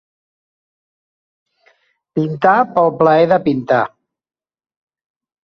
Pintar pel plaer de pintar.